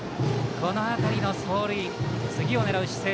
この辺りの走塁、次を狙う姿勢